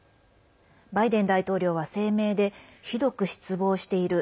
バイデン大統領は声明でひどく失望している。